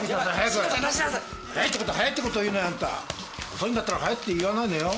遅いんだったら早いって言わないのよ。